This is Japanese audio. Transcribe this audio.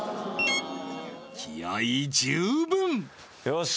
気合い十分よし！